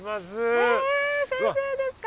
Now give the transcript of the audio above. へえ先生ですか。